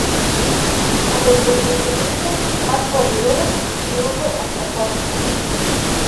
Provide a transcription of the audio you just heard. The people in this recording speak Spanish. A los percusionistas Marco Oliveros y Hugo Alcazar.